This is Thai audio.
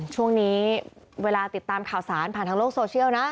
ช่วงนี้เวลาติดตามข่าวสารผ่านทางโลกโซเชียลนะ